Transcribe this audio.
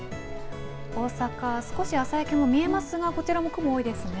大阪、少し朝焼けも見えますがこちらも雲が多いですね。